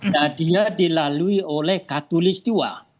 nah dia dilalui oleh katulistiwa